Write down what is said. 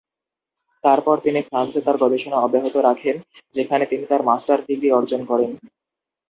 তারপর তিনি ফ্রান্সে তার গবেষণা অব্যাহত রাখেন, যেখানে তিনি তার মাস্টার ডিগ্রী অর্জন করেন।